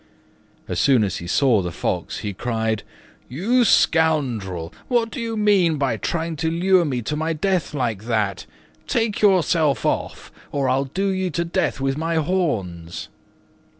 As soon as he saw the Fox he cried, "You scoundrel, what do you mean by trying to lure me to my death like that? Take yourself off, or I'll do you to death with my horns."